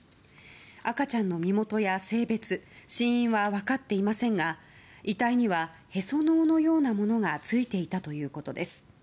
赤ちゃんの身元や性別死因は分かっていませんが遺体にはへその緒のようなものがついていたということです。